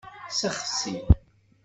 Sexsi.